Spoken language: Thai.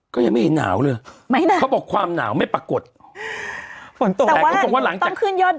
ก็ยังไม่เห็นหนาวเลย